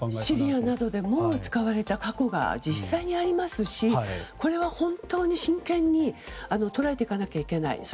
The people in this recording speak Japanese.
シリアなどでも使われた過去が実際にありますしこれは本当に真剣に捉えていかないといけない。